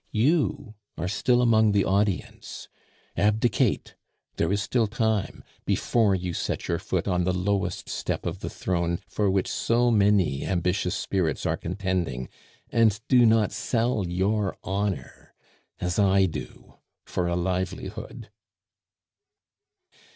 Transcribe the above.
You are still among the audience. Abdicate, there is still time, before you set your foot on the lowest step of the throne for which so many ambitious spirits are contending, and do not sell your honor, as I do, for a livelihood."